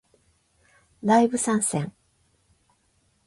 ライブ参戦